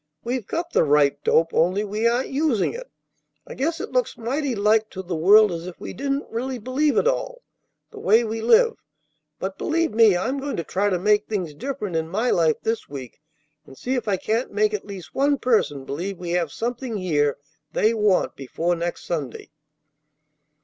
We've got the right dope; only we aren't using it. I guess it looks mighty like to the world as if we didn't really believe it all, the way we live; but believe me, I'm going to try to make things different in my life this week, and see if I can't make at least one person believe we have something here they want before next Sunday."